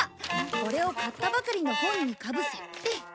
これを買ったばかりの本にかぶせて。